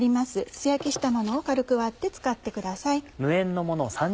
素焼きしたものを軽く割って使ってください。